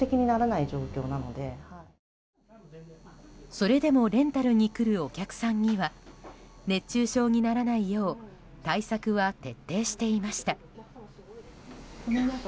それでもレンタルに来るお客さんには熱中症にならないよう対策は徹底していました。